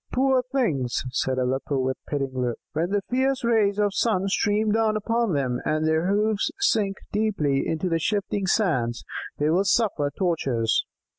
"Poor things," said Aleppo with a pitying look. "When the fierce rays of the sun stream down upon them, and their hoofs sink deeply into the shifting sands, they will suffer tortures.